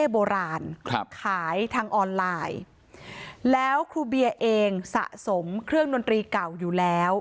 โบราณครับขายทางออนไลน์แล้วครูเบียร์เองสะสมเครื่องดนตรีเก่าอยู่แล้ว